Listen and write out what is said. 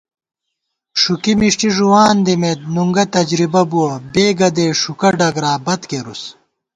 ݭُکی مِݭٹی ݫُوان دِمېت نُنگہ تجرِبہ بُوَہ بےگدےݭُکہ ڈگرا بت کېرُس